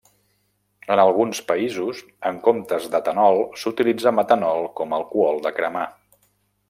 En alguns països, en comptes d'etanol s'utilitza metanol com alcohol de cremar.